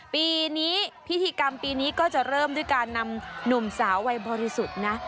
ปีนี้พิธีกรรมปีนี้ก็จะเริ่มด้วยการนำหนุ่มสาววัยบริสุทธิ์นะ